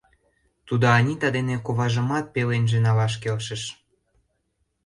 Тудо Анита ден коважымат пеленже налаш келшыш.